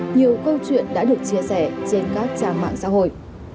nhiều câu chuyện đã được chia sẻ trên các trang mạng xã hội